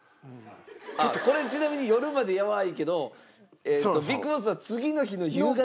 ちょっとこれちなみに夜までやわいけどＢＩＧＢＯＳＳは次の日の夕方。